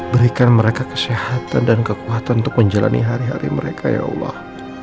berikan mereka kesehatan dan kekuatan untuk menjalani hari hari mereka ya allah